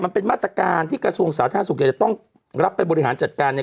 มันเป็นมาตรการที่กระทรวงสาธารณสุขจะต้องรับไปบริหารจัดการเนี่ย